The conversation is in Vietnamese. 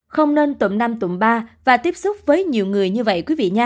không nên tụm năm tụm ba và tiếp xúc với nhiều người như vậy